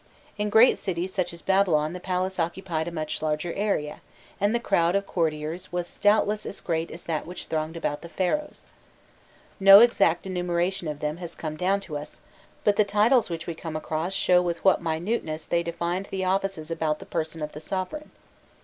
In great cities such as Babylon the palace occupied a much larger area, and the crowd of courtiers was doubtless as great as that which thronged about the Pharaohs. No exact enumeration of them has come down to us, but the titles which we come across show with what minuteness they defined the offices about the person of the sovereign.